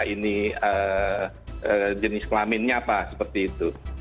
ini jenis kelaminnya apa seperti itu